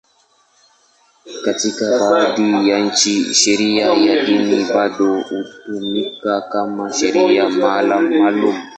Katika baadhi ya nchi, sheria ya dini bado hutumika kama sheria maalum.